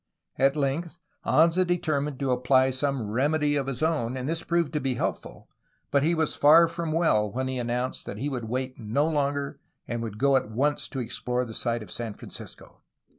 At length Anza determined to apply some remedy of his own, and this proved to be helpful, but he was far from well when he announced that he would wait no longer and would go at once to explore the site of San Francisco.